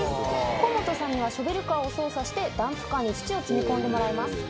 河本さんがショベルカーを操作して、ダンプカーに土を積み込んでもらいます。